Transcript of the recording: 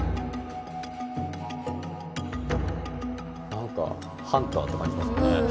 なんかハンターって感じですね。